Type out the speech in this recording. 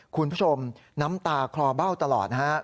คุณผู้ชมน้ำตาคลอเบ้าตลอดนะครับ